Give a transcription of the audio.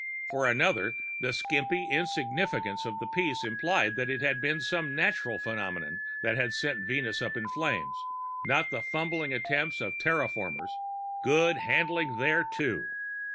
For another, the skimpy insignificance of the piece implied that it had been some natural phenomenon that sent Venus up in flames, not the fumbling attempts of the terraformers. Good handling there, too.